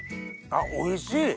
あっおいしい！